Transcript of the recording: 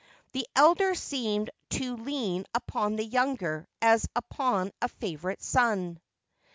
The elder seemed to lean upon the younger as upon a favourite son.